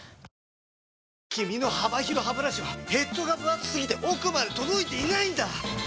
君の幅広ハブラシはヘッドがぶ厚すぎて奥まで届いていないんだ！